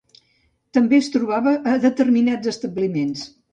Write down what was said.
També es trobava a determinats establiments.